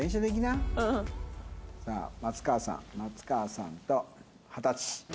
さあ松川さん松川さんと二十歳。